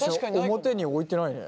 表に置いてないね。